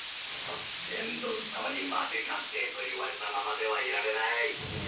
ジェンドル様に負け確定と言われたままではいられない！